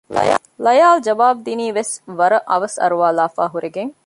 ލަޔާލު ޖަވާބުދިނީވެސް ވަރަށް އަވަސް އަރުވާލާފައި ހުރެގެނެން